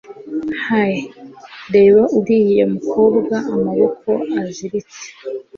Hey, reba uriya mukobwa amaboko aziritse.